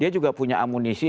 dia juga punya amunisi